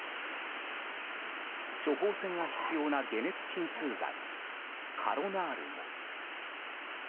処方箋が必要な解熱鎮痛剤カロナールも。